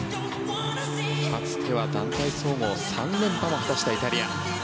かつては団体総合３連覇も果たしたイタリア。